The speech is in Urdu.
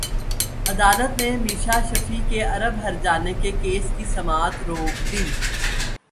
عدالت نے میشا شفیع کے ارب ہرجانے کے کیس کی سماعت روک دی